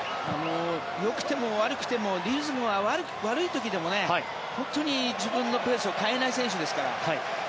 よくても悪くてもリズムが悪い時でも本当に自分のペースを変えない選手ですから。